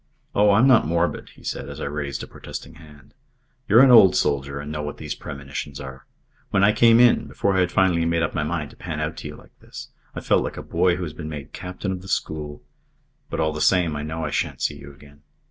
Oh, I'm not morbid," he said, as I raised a protesting hand. "You're an old soldier and know what these premonitions are. When I came in before I had finally made up my mind to pan out to you like this I felt like a boy who has been made captain of the school. But all the same, I know I shan't see you again.